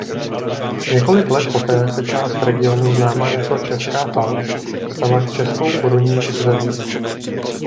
Několik let poté se část regionu známá jako Česká Falc stala českou korunní zemí.